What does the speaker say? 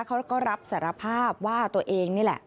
เขาก็รับสารภาพว่าตัวเองนี่แหละ